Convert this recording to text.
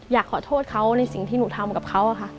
อยากขอโทษเขาในสิ่งที่หนูทำกับเขาค่ะ